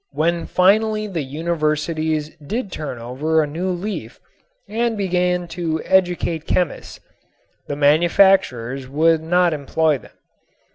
When finally the universities did turn over a new leaf and began to educate chemists, the manufacturers would not employ them.